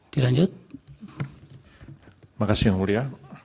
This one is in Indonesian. dilanjut terima kasih yang mulia